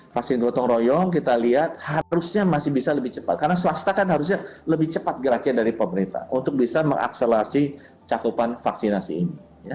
vaksin gotong royong kita lihat harusnya masih bisa lebih cepat karena swasta kan harusnya lebih cepat geraknya dari pemerintah untuk bisa mengakselerasi cakupan vaksinasi ini